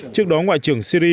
trước đó ngoại trưởng citi